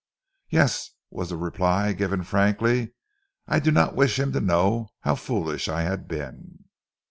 "Yes," was the reply, given frankly. "I did not wish him to know how foolish I had been."